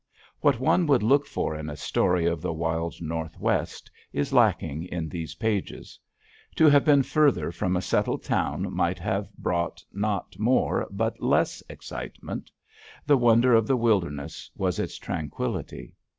What one would look for in a story of the wild Northwest is lacking in these pages. To have been further from a settled town might have brought not more but less excitement. The wonder of the wilderness was its tranquillity.